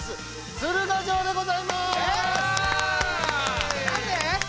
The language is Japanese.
鶴ヶ城でございます！